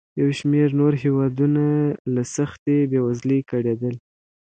یو شمېر نور هېوادونه له سختې بېوزلۍ کړېدل.